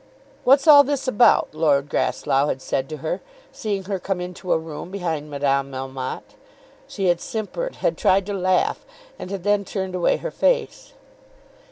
"What's all this about?" Lord Grasslough had said to her, seeing her come into a room behind Madame Melmotte. She had simpered, had tried to laugh, and had then turned away her face.